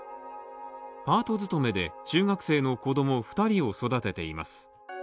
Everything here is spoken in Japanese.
パート勤めで中学生の子供２人を育てています。